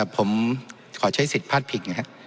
ผมขอใช้สิทธิ์พลาดพิงนะครับ